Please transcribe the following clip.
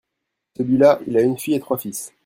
celui-là il a une fille et trois fils.